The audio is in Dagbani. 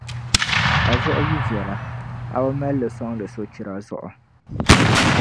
A zuɣu yi viɛla, a bi mal’ li sɔŋdi sochira zuɣu.